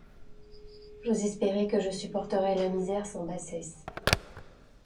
J’ose espérer que je supporterai la misère sans bassesse.